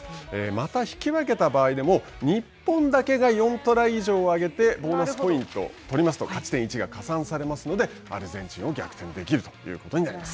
また引き分けた場合でも、日本だけが４トライ以上をあげて、ボーナスポイントを取りますと、勝ち点１が加算されますので、アルゼンチンは逆転できるということになります。